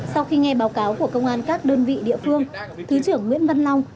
sau khi nghe báo cáo của công an các đơn vị địa phương thứ trưởng nguyễn văn long